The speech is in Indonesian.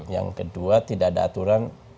yang kedua tidak ada aturan